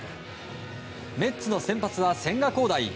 メッツの先発は千賀滉大。